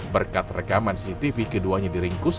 berkat rekaman cctv keduanya diringkus